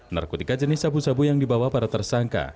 narkotika jenis sabu sabu yang dibawa para tersangka